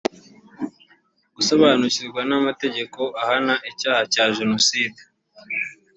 gusobanukirwa n’amategeko ahana icyaha cya jenoside